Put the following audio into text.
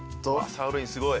サーロインすごい。